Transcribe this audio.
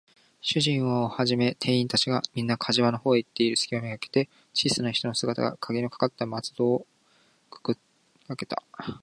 主人をはじめ店員たちが、みんな火事場のほうへ行っているすきをめがけて、小さな人の姿が、かぎのかかった板戸をくもなくあけて、